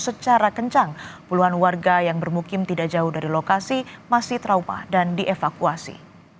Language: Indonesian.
secara kencang puluhan warga yang bermukim tidak jauh dari lokasi masih trauma dan dievakuasi